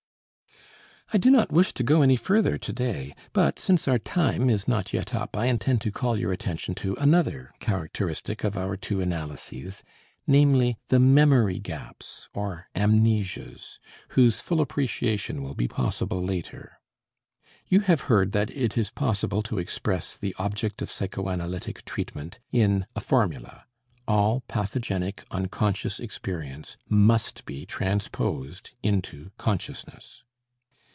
I do not wish to go any further to day, but since our time is not yet up I intend to call your attention to another characteristic of our two analyses, namely, the memory gaps or amnesias, whose full appreciation will be possible later. You have heard that it is possible to express the object of psychoanalytic treatment in a formula: all pathogenic unconscious experience must be transposed into consciousness.